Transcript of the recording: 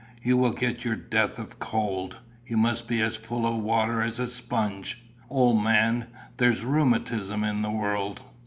"You will get your death of cold. You must be as full of water as a sponge. Old man, there's rheumatism in the world!"